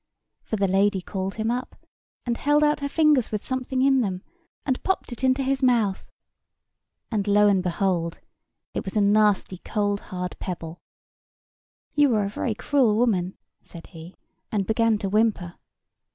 For the lady called him up, and held out her fingers with something in them, and popped it into his mouth; and, lo and behold, it was a nasty cold hard pebble. "You are a very cruel woman," said he, and began to whimper.